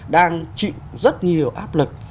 đang chịu rất nhiều áp lực